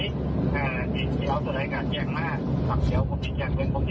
คุณคุณคุณคุยเสียครั้งไหร่บ่อนี้